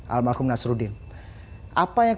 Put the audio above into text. almarhum nasruddin apa yang